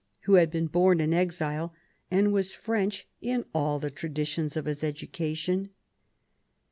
who had been bom in exile, and was French in all the traditions of his education.